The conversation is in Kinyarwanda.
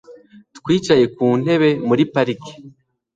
Twicaye ku ntebe muri parike